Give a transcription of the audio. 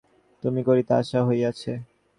কী করিতে আসা হইয়াছে?